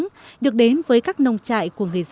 quý vị vừa theo dõi tiểu mục chuyện xa xứ